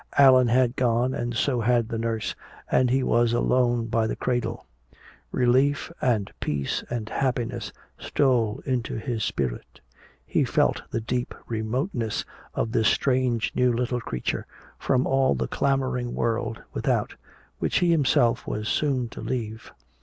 Allan had gone and so had the nurse, and he was alone by the cradle. Relief and peace and happiness stole into his spirit. He felt the deep remoteness of this strange new little creature from all the clamoring world without which he himself was soon to leave.